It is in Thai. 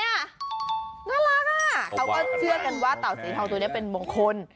น่ารักเขาก็เชื่อกันว่าเต่าสีทองตัวนี้เป็นมงคล